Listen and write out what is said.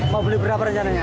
mau beli berapa rencananya